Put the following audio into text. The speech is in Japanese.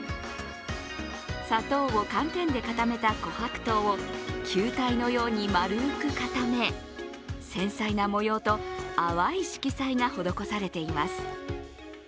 砂糖を寒天で固めたこはく糖を球体のように丸く固め繊細な模様と淡い色彩が施されています。